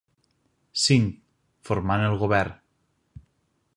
Singh, formant el govern.